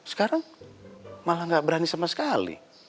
sekarang malah gak berani sama sekali